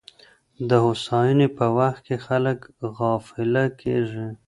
د هوساینې په وخت کي خلګ غافله کیږي.